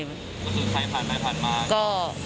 ผู้สูงใจผ่านไปผ่านมา